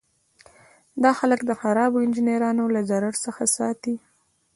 دا خلک د خرابو انجینرانو له ضرر څخه ساتي.